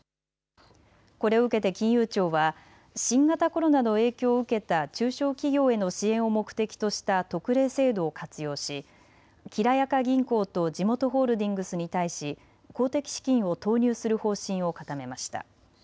これを受けて金融庁は新型コロナの影響を受けた中小企業への支援を目的とした特例制度を活用し、きらやか銀行とじもとホールディングスに対し公的資金を投入する方針を固めました。